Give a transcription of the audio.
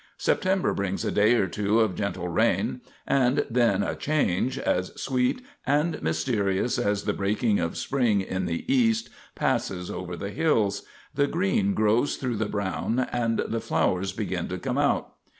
September brings a day or two of gentle rain; and then a change, as sweet and mysterious as the breaking of spring in the East, passes over the hills. The green grows through the brown and the flowers begin to come out.